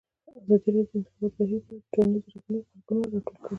ازادي راډیو د د انتخاباتو بهیر په اړه د ټولنیزو رسنیو غبرګونونه راټول کړي.